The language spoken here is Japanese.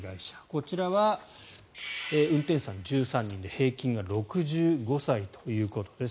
こちらは運転手さん１３人で平均が６５歳ということです。